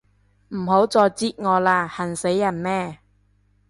唔好再擳我啦，痕死人咩